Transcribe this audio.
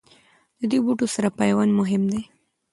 د دې بوټو سره پیوند مهم دی.